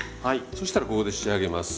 そしたらここで仕上げます。